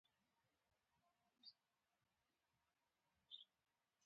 منظور پښتين څوک دی؟